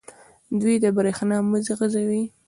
دوی د بریښنا مزي غځوي.